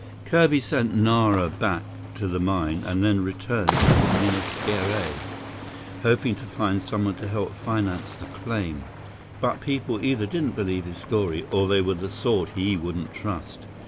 "Kirby sent Nara back to the mine and then returned to Minas Geraes, hoping to find someone to help finance the claim. But people either didn't believe his story, or they were the sort he wouldn't trust.